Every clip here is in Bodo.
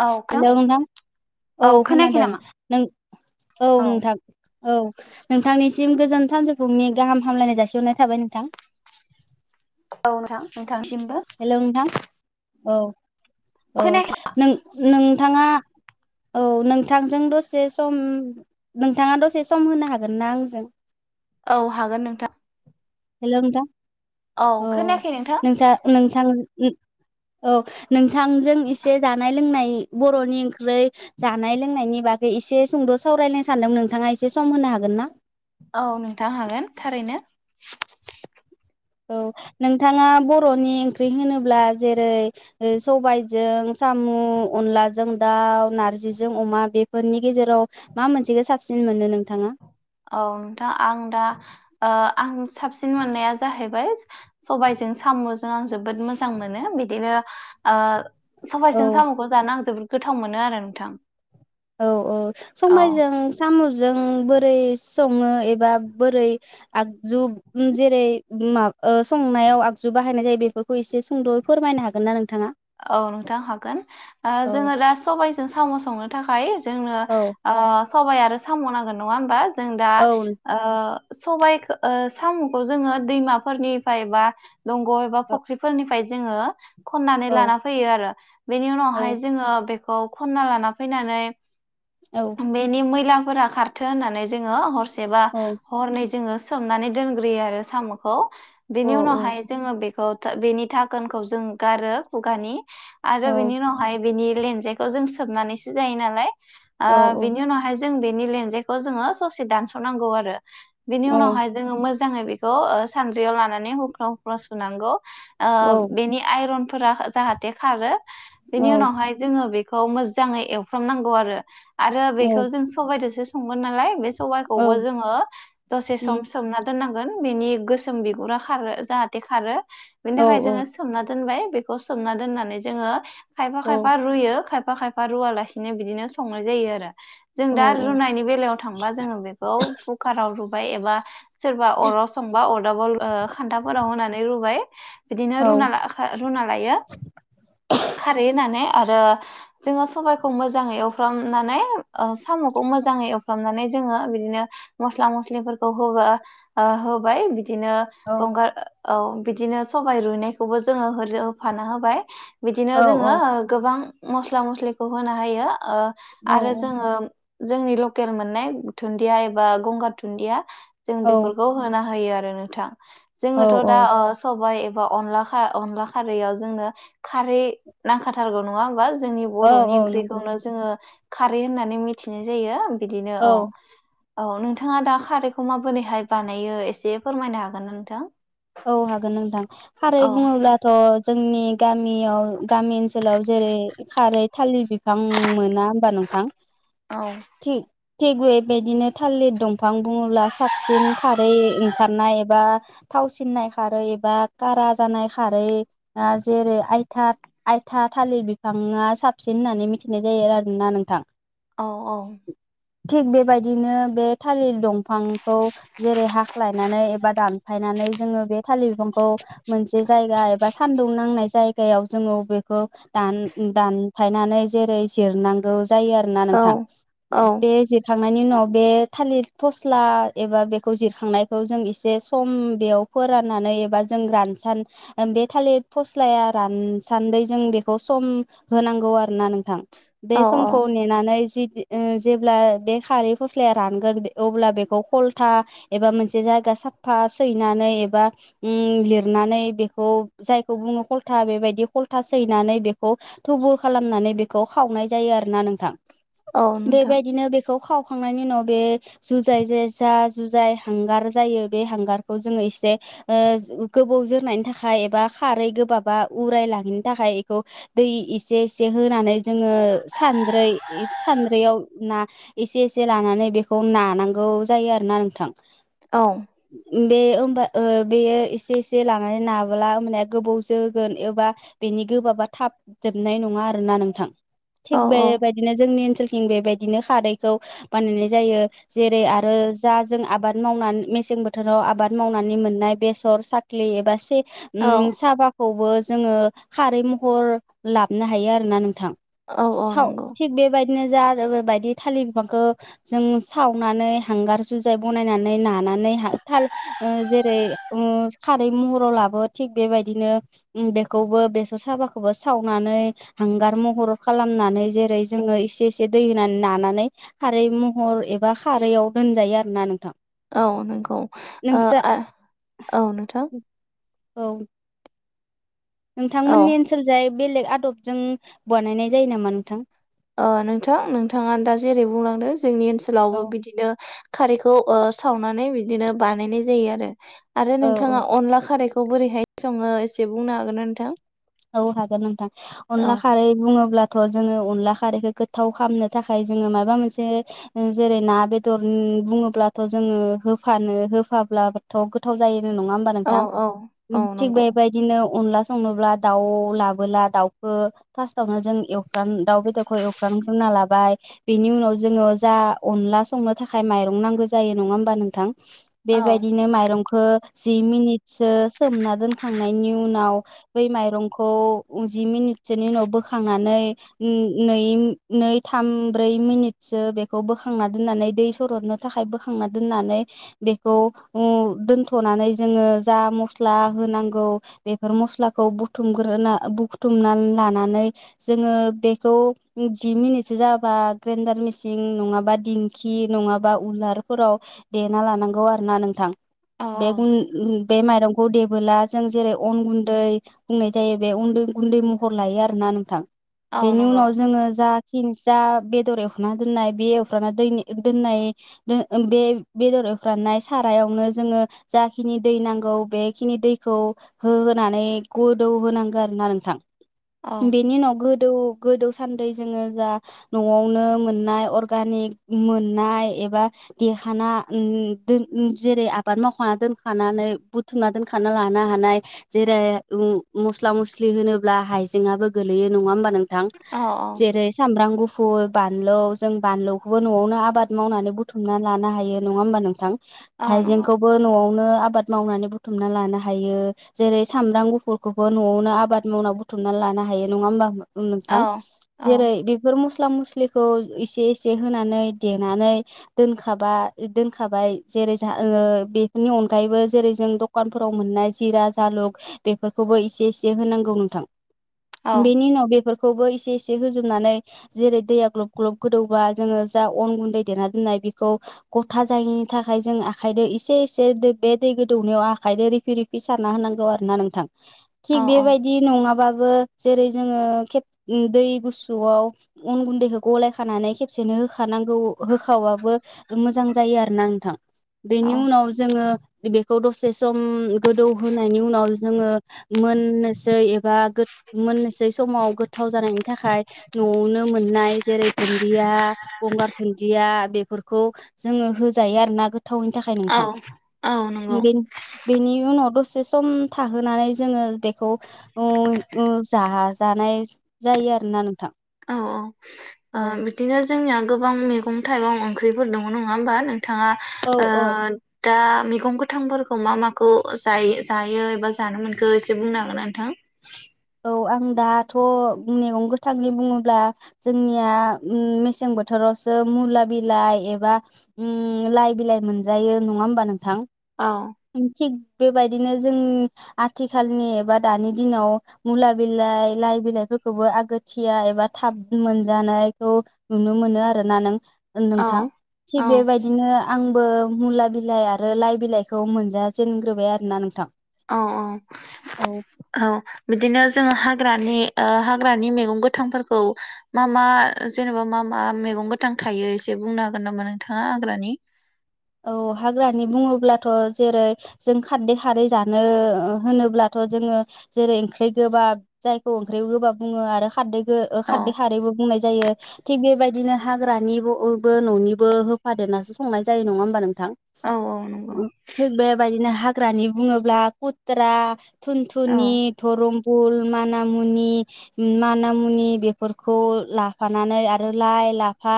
औ हेल' खोनां नोंथां औ खोनायाखै खोनादों नामा नों औ नोंथां औ नोंथांनिसिम गोजोन सानजौफुनि गाहाम हामलायनाय जासिहरनाय थाबाय नोंथां औ नोंथां नोंथांनिसिम हेल' नोंथां औ औ खोनायाखै नों नों नोंथाङा औ नोंथांजों दसे सम नोंथाङा दसे सम होनो हागोन ना आंजों औ हागोन नोंथां हेलो नोंथां औ खोनायाखै नोंथां नोंसा नोंथां उम औ नोंथांजों एसे जानाय लोंनाय बर'नि ओंख्रै जानाय लोंनायनि बागै एसे सुंद' सावरायनो सानदों नोंथाङा एसे सम होनो हागोन ना औ नोंथां हागोन थारैनो औ नोंथाङा बर'नि ओंख्रि होनोब्ला जेरै सबायजों साम' अनलाजों दाउ नारजिजों अमा बेफोरनि गेजेराव मा मोनसेखौ साबसिन मोनो नोंथाङा औ नोंथां आं दा आं साबसिन मोननाया जाहैबाय सबायजों साम'जों आं जोबोद मोजां मोनो बिदिनो आ औ सबाइजों साम'खौ जानो आं जोबोर गोथाव मोनो आरो नोंथां औ औ औ सबायजों साम'जों जों बोरै सङो एबा बोरै आगजु जेरै मा संनायाव आगजु बाहायनाय जायो बेफोरखौ एसे सुंद'यै फोरमायनो हागोन ना नों- औ नोंथां हागोन औ जोङो दा सबायाइजों साम'स संनो थाखाय हायो जोंनो औ ओ सबाइ आरो साम' नांगोन नङा होमबा जों दा औ औ ओ सबायाइखौ साम'खौ जोङो दैमाफोरनिफ्राय बा दंग' एबा फख्रिफोरनिफ्राय जोङो खन औ लाना फैयो आरो बेनि उनावहाय औ जोङो बे खौ खन्ना लाना फैनानै औ बेनि मैला फोरा खारथो होननानै जोङो हर सेबा औ हरनै जोङो सोमनानै दोनग्रोयो आरो साम'खौ औ बेनि उनावहाय जोङो बे ख [unintelligible] बेनि थाखोनखौ जों गारो। [unintelligible] आरो बिनि औ उनावहाय बिनि लेन जायखौ जों सोबनानैसो जायो नालाय। ओ बिनि उनावहाय जों बेनि लेंजायखौ जोङो ससे दानस'नांगौ आरो। बिनि औ उनावहाय जोङो मोजां मोजाङै बेखौ ओ सानद्रियाव लानानै हुख्र' हुख्र' सुनांगौ। ओ औ बेनि आइरन फोरा जाहाथे खारो औ बिनि उनावहाय जोङो बेखौ मोजाङै एवफ्रामनांगौ आरो आरो औ बेखौ जों सबबायदोसो संगोन नालाय बे सबाइखौबो औ जोङो दसे सम उम सोमना दोननांगौ। गोन बेनि गोसोम बिगुरा खारो जाहाथे खारो। बेनि औ थाखाय जोङो सोमना दोनबाय बेखौ खौ सोमना दोननानै जोङो खायफा औ खायफा रुयो खायफा खायफा खायफा रुवालासिनो बिदिनो संनाय जायो आरो। जों औ दा औ रुनायनि बेलायाव थांबा जोङो बेखौ कुकाराव रु बाय एबा सोरबा अराव संबा अ दाबल ओ खान्थाफोराव होनानै रुबाय इदिनो औ रुना लाखा रुना [unintelligible] खारै होना ने आरो जोङो सबाइखौ मोजाङै एव एवफ्रामनानै ओ सामुखौ मोजाङै एवफ्रामनानै जोङो बिदिनो मस्ला मस्लिफोरखौ जोङो सबाइखौ मोजाङै एव होबा होबाय बिदिनो औ अंगार औ बिदिनो सबाय रुयनायखौबो होरोब होफाना होबाय बिदिनो औ जोङो गोबां मस्ला मस्लिखौ होनो हायो औ आरो जोङो जोंनि लकेल मोननाय धुन्दिया एबा गंगार धुन्दिया जों बेफोरखौ होनो हायो आरो नोंथां औ जोंनथ' दा ओ सबाय बा अनलाखा-अनलाखा रैयाव जोंनो खारै नांखाथारगौ नङा होमबा जोंनि औ बर'नि औ नंगौ ओंख्रिखौनो जोङो खारै होननानै मिथिनाय जायो बिदिनो औ औ नोंथाङा दा खारैखौ माबोरैहाय बानायो एसे फोरमायनो हागोन ना नोंथां? औ हागोन नोंथां खारै औ बुङोब्लाथ' जों नि गामियाव गामि ओनसोलाव जेरै खारै थालिर बिफां मोना होमबा नोंथां औ थिग थिग बेबायदिनो थालिर दंफां बुङोब्ला साबसिन खारै ओंखारनाय एबा थावसिननाय खारै बा कारा जानाय खारै आ जेरै आयथा आयथा थालिर बिफाङा साबसिन होननानै मिथिनाय जायो आरोना नोंथां औ औ थिग बेबायदिनो बे थालिर दफांखौ जेरै हाख्लायनानै एबा दान गायनानै जोङो बे थालिर बिफांखौ मोनसे जायगा एबा सानदुं नांनाय जायगायाव जोङो बेखौ दानफायनानै जेरै जिरनांगौ जायो आरोना औ नोंथां औ दे जेथ खांनायनि उनाव बे थालिर फस्ला एबा बेखौ जिरखांनायखौ जों एसे सम बेयाव फोराननानै एबा जों रानसान बे थालिर फस्लाया रानसान्दै जों बेखौ सम होनांगौ आरोना नोंथां बे औ औ समखौ नेनानै जि इ ओ जेब्ला बे खारै फस्लाया रानगोन दे अब्ला बेखौ खलथा एबा मोनसे जायगा सा फा सैनानै एबा उम लिरनानै बेखौ जायखौ बुङो कलथा बेबायदि खलथा सैनानै बेखौ थुबुर खालामनानै बेखौ खावनाय जायो आरोना नोंथां। औ नोंथां बेबायदिनो बे खौ खावखांनायनि उनाव बे जुजाय जाय जा जुजाय हांगार जायो। बे हांगारखौ जोङो एसे ओ जो गोबौ जोरनायनि थाखाय एबा खारै गोबाबा उराय लाङिनि थाखाय एखौ दै एसे एसे होनानै जोङो सानद्रै सानद्रैयाव ना एसे एसे लानानै बेखौ नानांगौ जायो आरोना नोंथां। औ उम बे होमबा ओ बेयो एसे एसे लानानै नाब्ला माने गोबाव जोगोन एबा बेनि गोबाबा थाब जोबनाय नङा आरोना नोंथां। थिग औ औ बेबायदिनो जोंनि ओनसोल थिं बेबायदिनो खारैखौ बानायनाय जायो। जेरै आरो जा जों आबाद मावना मेसें बोथोराव आबाद मावनानै मोननाय बेसर साखलि एबा से औ उम साबाखौबो जोङो खारै महर लाबोननो हायो आरोना नोंथां। औ सो औ साव नंगौ थिग बेबायद दिनो जा ओ बायदि थालिर बिफांखो जों सावनानै हांगार जुजाय बनायनानै नाना नै‌ हा थाल ओ जेरै मुस खारै महराव लाबो। थिग बेबायदिनो उम बेखौबो बेसर साबाखौबो सावनानै हांगार महर खालामनानै जेरै जोङो एसे एसे दै होनानै नानानै खारै महर एबा खारैयाव दोनजायो आरो ना नोंथां। औ नंगौ ओ नोंस्रा आ औ नोंथां। औ औ नोंथांमोननि ओनसोल जाय बेलेग आदबजों बनायनाय जायो नामा नोंथां? अ' नोंथां नोंथाङा दा जेरै बुंलांदों जोंनि औ ओनसोलावबो बिदिनो खारैखौ ओ सावनानै बिदिनो बानायनाय जायो आरो। आरो औ औ नोंथाङा अनला खारैख खौ बोरैहाय सङो एसे बुंनो हागोना नोंथां? औ हागोन नोंथां। औ अनला खारै बुङोब्ला थ' जोङो अनला खारैखौ गोथाव खामनो थाखाय जोङो माबा मोनसे जेरै ओ ना, बेदर बुङोब्लाथ' जोङो होफानो होफाब्लाथ' गोथाव जायो। ओ नङा होमबा औ नोंथां? औ उम औ थिग नंगौ। बेबायदिनो अनला संनोब्ला दाउ लाबोला दाउखो फासथावनो जों एवफ्राम दाउ बेदरखौ एवफ्राम ग्रोनना लाबाय। बेनि उनाव जोङो जा अनला संनो थाखाय माइरं नांगौ जायो नङा होमबा नोंथां? औ बेबायदिनो माइरंख खो जि मिनिट सो सोमना दोनखांनायनि उनाव बै‌ माइ रंखौ जि मिनिटसोनि उनाव बोखांनानै नो नै नै थाम ब्रै मिनिटसो बेखौ बोखांना दोननानै दै सरननो थाखाय बोखांना दोननानै बेखौ उम दोनथ'नानै जोङो जा मस्ला होनांगौ बेफोर मस्लाखौ बो थुमगोरना बुथुमना लानानै जोङो बेखौ जि मिनिटसो जाबा ग्रेडार मेचिं नङाबा दिंखि नङाबा उलारफोराव देना लानांगौ आरो ना नोंथां। औ बे गुन उम बे माइरंखौ देबोला जों जेरै अन गुन्दै बुंनाय जायो। बे उन्दै गुन्दै महर लायो आरोना नोंथां। औ बेनि नंगौ उनाव जोङो जा खिनसा बेदर एवखना दोननाय बे एवफ्राना दैनि दोननाय बे ओम बे बेदर एवफ्रामनाय सारायावनो जोङो जाखिनि दै नांगौ बेखिनि दैखौ होहोनानै गदौ होनांगौ आरो ना नोंथां। औ बेनि उनाव गोदौ गोदौ थान्दै जोङो जा न'आवनो मोननाय अर्गानिक मोननाय एबा देरहाना उम दोन उम जेरै आबाद मावखांना दोनखानानै बुथुमना दोनखाना लाना हानाय जेरै उम मस्ला मस्लि होनोब्ला हाइजेङाबो गोलैयो नङा होमबा नों दां औ जेरै सामब्राम गुफुर फुर बानलौ जों बानलौखौबो न'आवनो आबाद मावनानै बुथुमनानै लानो हायो नङा होमबा नोंथां। औ नंगौ हाइजेंखौबो न'आवनो आबाद मावनानै बुथुमना लानो हायो जेरै सामब्राम गुफुर खुलखौबो न'आवनो आबाद मावना बुथुमना लानो हायो नङा होमबा। औ‌ औ नोंथां औ जेरै बेफोर मस स्ला मस्लिखौ एसे एसे होनानै देनानै दोनखाबा दोनखाबाय जेरै जा ओ बेफोरनि अनगायैबो जेरै जों दखानफोराव मोननाय जिरा जालुक बेफोरखौबो इसे एसे होनांगौ नोंथां। औ बेनि उनाव बेफोर बखौबो इसे इसे होजोबनानै जेरै दैया ग्लब ग्लब गोदौब्ला जोङो जा अन गुन्दै देना दोननाय बेखौ गथा जायैनि थाखाय जों आखायदो इसे एसे दै बे दै गोदौनायाव आखायदों रिफि रिफि सारना होनांगौ आरो ना नों थिग औ बेबायदि नङाबा। बो जेरै जोङो खेब उम दै गुसुआव अन गुन्दैखौ गलाय खानानै खेबसेनो हो थानांगौ होखावबाबो। मोजां जायो आरो ना नोंथां! औ बेनि उनाव जोङो बेदिखौ दसे सम गोदौ होनायनि उनाव जोङो मोननोसै एबा मोननोसै समाव गोथाव जानायनि थाखाय न'आवनो मोननाय जेरै दुन्दिया गंगार दुन्दिया बेफोरखौ जोङो होजायो आरो ना गो। थावनि थाखाय औ नोंथां औ नंगौ बिन बेनि उनाव दसे बे सम। थाहोनानै जोङो बेखौ उम उम जा जानाय जायो आरोना नोंथां। औ औ औ ओ बिदिनो जोंनिया गोबां मैगं थाइगं ओंख्रिफोर दङ नङा होमबा नों। बिथाङा औ ओ। दा मैगं गोथांफोरखौ मा माखौ जायो जायो एबा जानो मोनखो एसे बुंनो हागोन नोंथां। औ आं दाथ' मैगं गोथांनि बुङोब्ला जोंनिया उम मेसें बोथोरावसो मुला बिलाइ उम एबा लाइ बिलाइ मोनजायो नङा होमबा नोंथां। औ ओम थिग बेबायदिनो जों आथिखालनि एबा दानि दिनाव मुला बिलाइ लाइ बिलाइफोरखौबो आगोथिया एबा थाब मोनजानायखौ नुनो मोनो आरोना नों औ नोंथां थिग औ बेबायदिनो। आंबो मुला बिलाइ आरो लाइ बिलाइखौ मोनजााजेनग्रोबाय आरोना नोंथां। औ औ औ औ बिदिनो। जोङो हाग्रानि ओ हाग्रानि मेगं गोथांफोरखौ मा मा जेनेबा मा मा मेगं गोथां थायो एसे बुंनो हागोन नामा नोंथाङा हाग्रानि? औ हाग्रानि बुङोब्लाथ' जेरै जों खारदै खारै जानो होनोब्लाथ' जोङो जेरै ओंख्रै गोबाब जायखौ ओंख्रै गोबाब बुङो आरो खारदै। ओ औ खारदै खारैबो बुंनाय जायो थिग बेबाय। दिनो हाग्रानिबो न'निबो होफादेरनासो संनाय जायो नङा। थां औ औ नंगौ थिग बेबायदिनो हा। ग्रानि बुङोब्ला खुथ्रा। औ थुनथुनि धरम। फुल मानामुनि मानामुनि बेफोरखौ लाफानानै आरो लाइ लाफा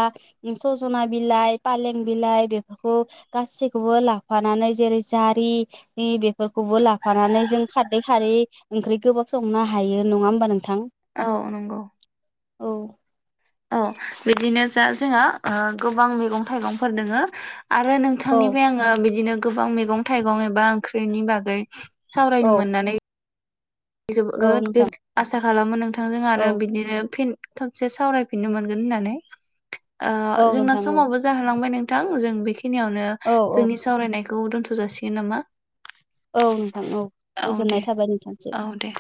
सजना बिलाइ फालें बिलाइ बे। खौ गासैखौबो लाफानानै जेरै जारिनि बेफोरखौबो लाफानानै जों खारदै खारै ओंख्रि गोबाब संनो हायो नङा होमबा नोंथां। औ नंगौ। औ। अ बिदिनो। जा जोंहा गोबां मैगं थाइगंफोर दोङो। आरो औ नोंथांनिफ्राय आङो बिदिनो। गोबां मैगं थाइगं एबा ओंख्रिनि बागै। औ सावरायनो मोननानै। औ जोबोद गो नोंथां आसा। खालामो नोंथा थांजों आरो औ बिदिनो फिन थबसे सावरायफिननो मोनगोन होननानै ओ औ जोंना नोंथां औ समावबो जाहोलांबाय नों थां जों बे। खिनियावनो औ औ जोंनि सावरायनाय खौ दोनथ' जासिगोन नामा? औ नोंथां औ गोजोननाय थाबाय नोंथांसिम। औ दे।